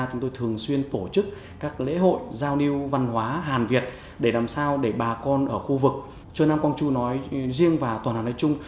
chúng tôi thường xuyên tổ chức các lễ hội giao lưu văn hóa hàn việt để làm sao để bà con ở khu vực chơi nam quang trung nói riêng và toàn hàn nói chung